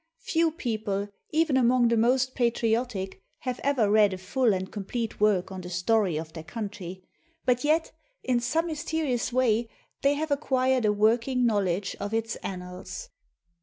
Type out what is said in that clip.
Few people, even among the most patriotic, have ever read a full and complete work on the story of their country; but yet, in some mysterious way, they have acquired a working knowledge of its annals.